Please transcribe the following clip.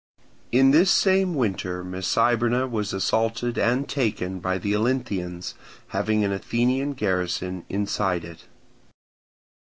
In this same winter Mecyberna was assaulted and taken by the Olynthians, having an Athenian garrison inside it.